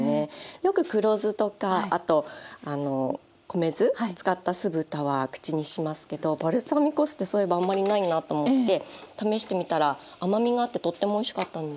よく黒酢とかあと米酢使った酢豚は口にしますけどバルサミコ酢ってそういえばあんまりないなと思って試してみたら甘みがあってとってもおいしかったんですよね。